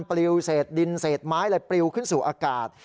ปลิวเศษดินเศษไม้อะไรปลิวขึ้นสู่อากาศ